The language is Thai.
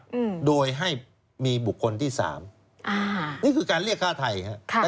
อืมโดยให้มีบุคคลที่สามอ่านี่คือการเรียกฆ่าไทยฮะค่ะ